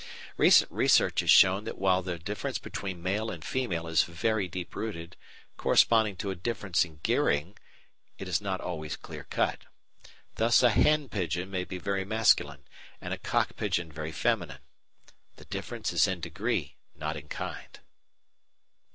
Recent research has shown that while the difference between male and female is very deep rooted, corresponding to a difference in gearing, it is not always clear cut. Thus a hen pigeon may be very masculine, and a cock pigeon very feminine. The difference is in degree, not in kind.